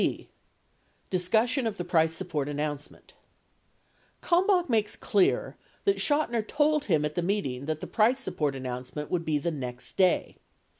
(b) Discussion of the price support announcement. — Kalmbach makes clear that, Chotiner told him at the meeting that the price sup port announcement would be the next day.